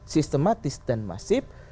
sistematis dan masif